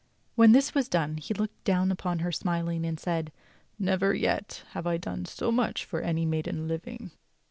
When this was done, he looked down upon her smilingly and said: "Never yet have I done so much for any maiden living."